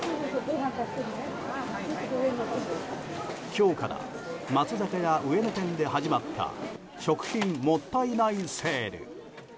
今日から松坂屋上野店で始まった食品もったいないセール。